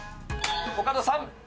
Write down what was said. コカドさん。